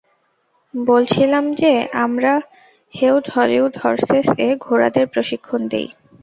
বলছিলাম যে, আমরা হেউড হলিউড হর্সেস-এ ঘোড়াদের প্রশিক্ষণ দিই।